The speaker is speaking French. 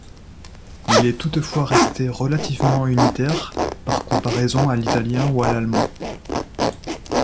Il est toutefois resté relativement unitaire par comparaison à l’italien ou à l’allemand.